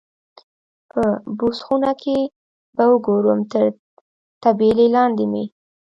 په بوس خونه کې به وګورم، تر طبیلې لاندې مې.